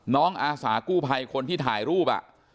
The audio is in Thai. อาสากู้ภัยคนที่ถ่ายรูป